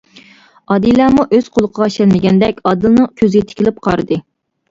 ئادىلەمۇ ئۆز قۇلىقىغا ئىشەنمىگەندەك ئادىلنىڭ كۆزىگە تىكىلىپ قارىدى.